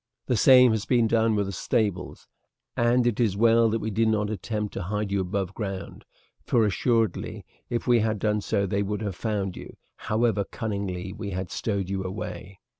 The same has been done with the stables; and it is well that we did not attempt to hide you above ground, for assuredly if we had done so they would have found you, however cunningly we had stowed you away.